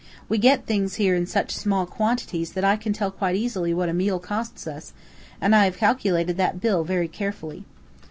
We get things here in such small quantities that I can tell quite easily what a meal costs us, and I have calculated that bill very carefully."